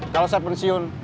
kalau saya pensiun